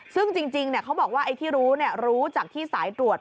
ซึ่งจริงเขาบอกว่าไอ้ที่รู้รู้จากที่สายตรวจ